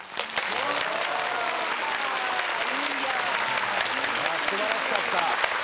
素晴らしかった。